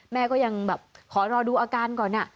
แม่ก็ยังแบบขอรอดูอาการก่อน